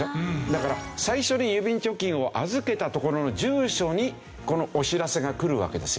だから最初に郵便貯金を預けた所の住所にこのお知らせが来るわけですよ。